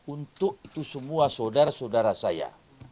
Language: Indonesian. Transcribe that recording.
untuk itu semua saudara saudara saya